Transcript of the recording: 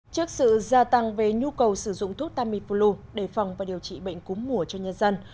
trước sự gia tăng về nhu cầu sử dụng thuốc tamiflu để phòng và điều trị bệnh cúm mùa cho nhân dân